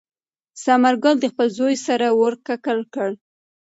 ثمر ګل د خپل زوی سر ور ښکل کړ.